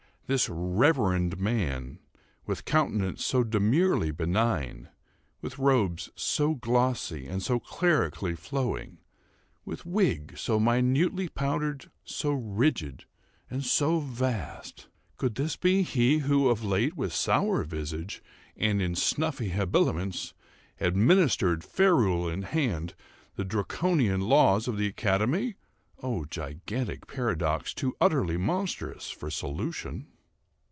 This reverend man, with countenance so demurely benign, with robes so glossy and so clerically flowing, with wig so minutely powdered, so rigid and so vast,— could this be he who, of late, with sour visage, and in snuffy habiliments, administered, ferule in hand, the Draconian laws of the academy? Oh, gigantic paradox, too utterly monstrous for solution!